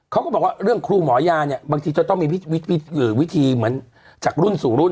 เขาก็บอกว่าเรื่องครูหมอยาเนี่ยบางทีจะต้องมีวิธีเหมือนจากรุ่นสู่รุ่น